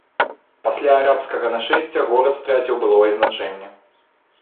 Пасля арабскага нашэсця горад страціў былое значэнне.